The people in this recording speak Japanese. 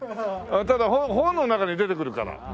ただ本の中に出てくるから。